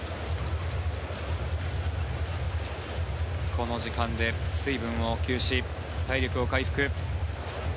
この時間で水分を補給し体力を回復。